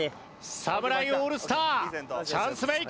侍オールスターチャンスメイク。